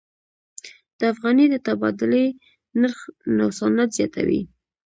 د افغانۍ د تبادلې نرخ نوسانات زیاتوي.